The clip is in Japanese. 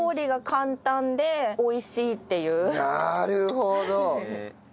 なるほど！